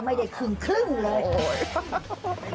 ไม่ได้ครึ่งครึ่งเลย